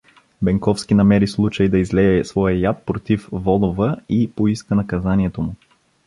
Бенковски намери случай да излее своя яд против Волова и поиска наказанието му.